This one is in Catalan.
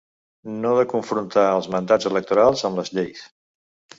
No de confrontar els mandats electorals amb les lleis.